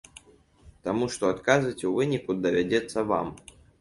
Таму што адказваць у выніку давядзецца вам.